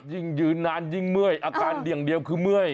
ยิ่งยืนนานยิ่งเมื่อยอาการเดี่ยวคือเมื่อย